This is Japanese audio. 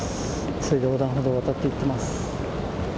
急いで横断歩道を渡っていっています。